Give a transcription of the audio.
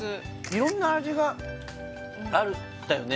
いろんな味があるんだよね